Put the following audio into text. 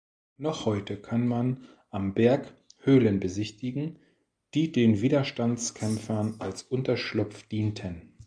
Noch heute kann man am Berg Höhlen besichtigen, die den Widerstandskämpfern als Unterschlupf dienten.